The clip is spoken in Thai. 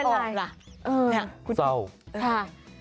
เนี่ยคุณพี่สาวค่ะ